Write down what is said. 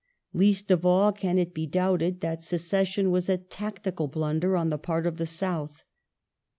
Least of all can it be doubted that secession was a tactical blunder on the part of the South.